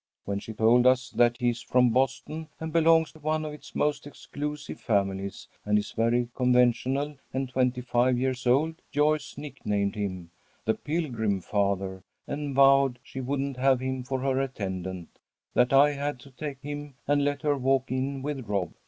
When she told us that he is from Boston and belongs to one of its most exclusive families, and is very conventional, and twenty five years old, Joyce nicknamed him 'The Pilgrim Father,' and vowed she wouldn't have him for her attendant; that I had to take him and let her walk in with Rob.